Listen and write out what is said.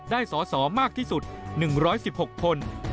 ได้สอสอมากที่สุด๑๑๖คน